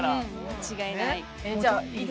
間違いない。